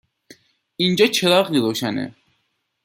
اینجا چراغی روشنه